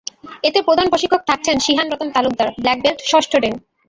এতে প্রধান প্রশিক্ষক থাকছেন Shihan Ratan Talukdar, black belt, ষষ্ঠ ডেন।